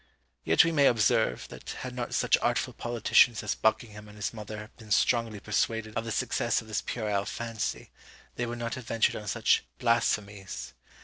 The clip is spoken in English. Yet we may observe, that had not such artful politicians as Buckingham and his mother been strongly persuaded of the success of this puerile fancy, they would not have ventured on such "blasphemies."